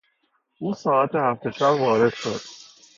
او ساعت هفت شب وارد شد.